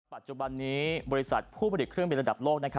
ปัจจุบันนี้บริษัทผู้ผลิตเครื่องบินระดับโลก